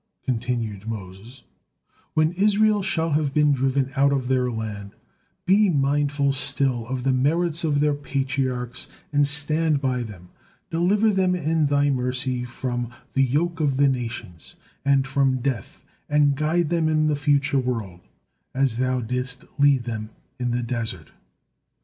continued Moses, "When Israel shall have been driven out of their land, be mindful still of the merits of their Patriarchs and stand by them, deliver them in Thy mercy from 'the yoke of the nations,' and from death, and guide them in the future world as Thou didst lead them in the desert."